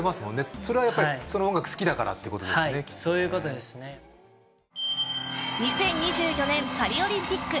それはやっぱりその音楽好きだからっていうことですね２０２４年パリオリンピック